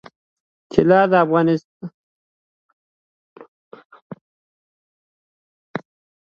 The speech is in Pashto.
طلا د افغانستان د فرهنګي فستیوالونو برخه ده.